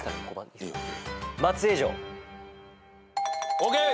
ＯＫ！